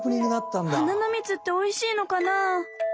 はなのみつっておいしいのかな？